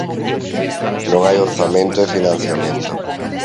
Non hai orzamento e financiamento.